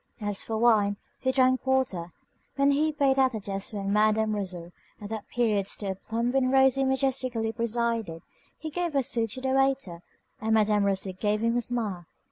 As for wine, he drank water. When he paid at the desk where Madam Rousseau, at that period still plump and rosy majestically presided, he gave a sou to the waiter, and Madam Rousseau gave him a smile.